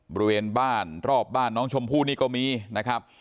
บริเวณบ้านรอบบ้านน้องชมพู่นี่ก็มีนะครับ